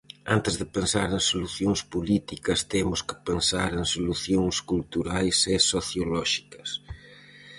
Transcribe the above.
Antes de pensar en solucións políticas, temos que pensar en solucións culturais e sociolóxicas.